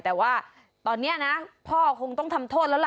แต่ว่าตอนนี้นะพ่อคงต้องทำโทษแล้วล่ะ